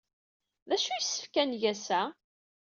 D acu ay yessefk ad neg ass-a?